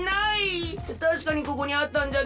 たしかにここにあったんじゃけど。